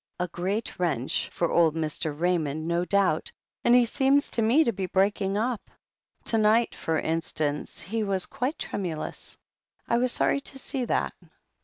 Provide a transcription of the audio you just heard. "A great wrench for old Mr. Raymond no doubt, and he seems to me to be breaking up. To night, for instance, he was quite tremulous. I was sorry to see that."